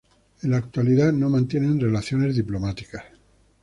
En la actualidad, no mantienen relaciones diplomáticas.